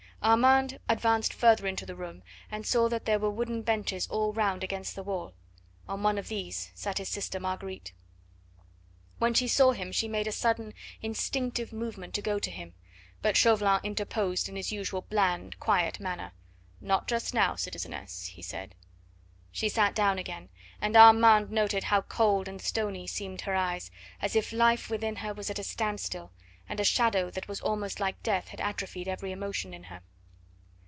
Armand advanced further into the room, and saw that there were wooden benches all round against the wall. On one of these sat his sister Marguerite. When she saw him she made a sudden, instinctive movement to go to him, but Chauvelin interposed in his usual bland, quiet manner. "Not just now, citizeness," he said. She sat down again, and Armand noted how cold and stony seemed her eyes, as if life within her was at a stand still, and a shadow that was almost like death had atrophied every emotion in her.